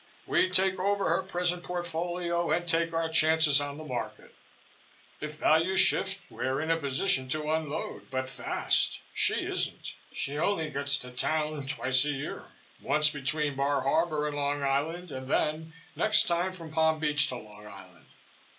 We take over her present portfolio and take our chances on the market. If values shift we're in a position to unload but fast. She isn't. She only gets to town twice a year, once between Bar Harbor and Long Island, and then next time from Palm Beach to Long Island.